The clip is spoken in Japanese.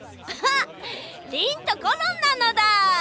リンとコロンなのだ。